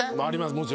あります。